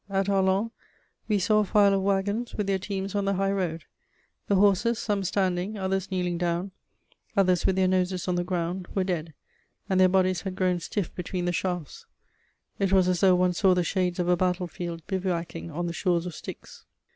At Arlon, we saw a file of wagons with their teams on the high road: the horses, some standing, others kneeling down, others with their noses on the ground, were dead, and their bodies had grown stiff between the shafts: it was as though one saw the shades of a battlefield bivouacking on the shores of Styx.